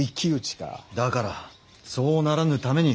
だからそうならぬために。